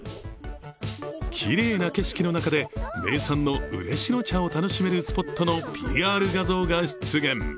きれいな景色の中で名産の嬉野茶を楽しめるスポットのＰＲ画像が出現。